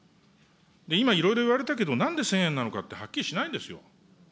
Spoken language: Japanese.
今、いろいろ言われたけど、なんで１０００円なのかってはっきりしないんですよ。